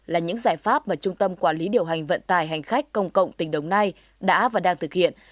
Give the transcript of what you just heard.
là những giải pháp mà trung tâm quản lý điều hành vận tải hành khách công cộng tỉnh đồng nai đã và đang thực hiện